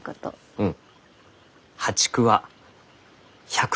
うん。